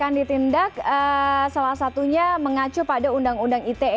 yang ditindak salah satunya mengacu pada undang undang ite